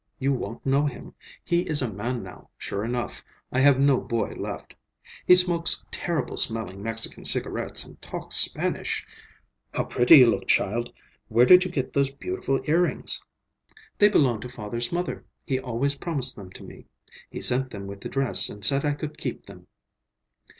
You won't know him. He is a man now, sure enough. I have no boy left. He smokes terrible smelling Mexican cigarettes and talks Spanish. How pretty you look, child. Where did you get those beautiful earrings?" "They belonged to father's mother. He always promised them to me. He sent them with the dress and said I could keep them."